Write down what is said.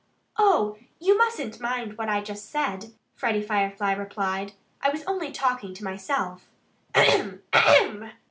"Oh! You mustn't mind what I just said," Freddie Firefly replied. "I was only talking to myself AHEM AHEM!"